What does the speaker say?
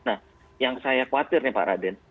nah yang saya khawatir nih pak raden